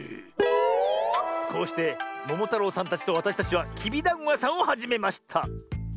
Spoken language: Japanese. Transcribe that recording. こうしてももたろうさんたちとわたしたちはきびだんごやさんをはじめました。